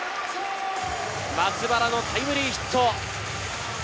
松原のタイムリーヒット。